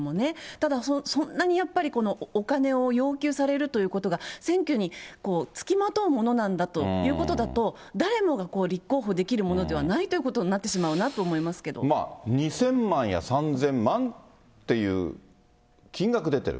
ただ、そんなにやっぱりお金を要求されるということが、選挙につきまとうものなんだということだと、誰もが立候補できるものではないということになってしまうなとい２０００万や３０００万という金額出てる。